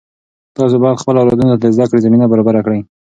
تاسې باید خپلو اولادونو ته د زده کړې زمینه برابره کړئ.